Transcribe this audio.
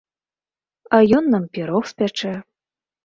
А ён нам пірог спячэ.